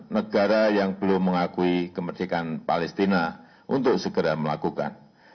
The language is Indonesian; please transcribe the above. negara yang belum mengakui kemerdekaan palestina untuk segera melakukan